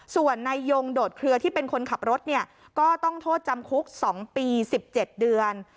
ส่วนนายยงโดดเคลือที่เป็นคนขับรถเนี่ยก็ต้องโทษจำคุก๒ปี๑๗เดือน